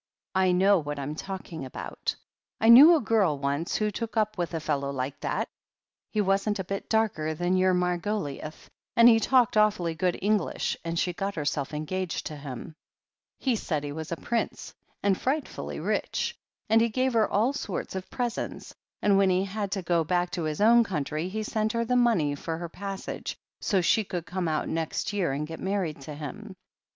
"I know what I'm talking about. I knew a girl once who took up with a fellow like that. He wasn't a bit darker than your Margoliouth, and he talked awfully good English, and she got herself engaged to him. He "] THE HEEL OF ACHILLES 169 said he was a prince, and frightfully rich, and he gave her all sorts of presents, and when he had to go back to his own country he sent her the money for her passage so she could come out next year and get mar ried to him.